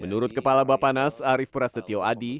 menurut kepala bapanas arief prasetyo adi